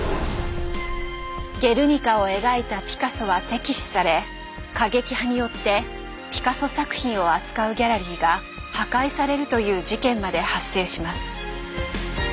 「ゲルニカ」を描いたピカソは敵視され過激派によってピカソ作品を扱うギャラリーが破壊されるという事件まで発生します。